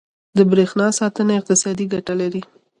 • د برېښنا ساتنه اقتصادي ګټه لري.